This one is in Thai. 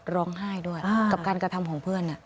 ร้องไห้ด้วยกับการกระทำของเพื่อน